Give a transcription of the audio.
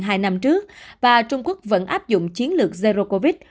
hai năm trước và trung quốc vẫn áp dụng chiến lược zero covid